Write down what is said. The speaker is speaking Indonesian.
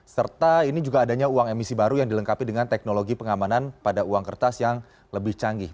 serta ini juga adanya uang emisi baru yang dilengkapi dengan teknologi pengamanan pada uang kertas yang lebih canggih